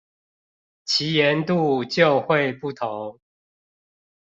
其鹽度就會不同